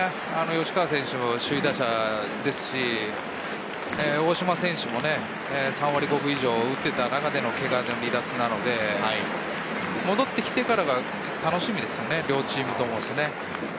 吉川選手も首位打者ですし、大島選手も３割５分以上打っていた中でのけがでの離脱なので、戻って来てからが楽しみですよね、両チームとも。